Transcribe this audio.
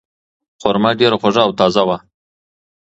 خورما ډیره خوږه او تازه وه.